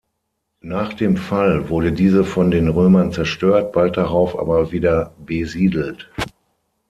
Nach dem Fall wurde diese von den Römern zerstört, bald darauf aber wieder besiedelt.